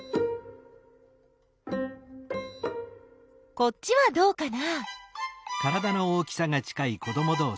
こっちはどうかな？